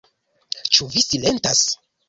Ĉu vi silentas?